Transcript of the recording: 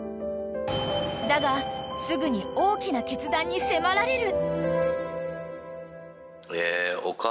［だがすぐに大きな決断に迫られる］